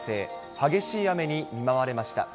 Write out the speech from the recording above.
激しい雨に見舞われました。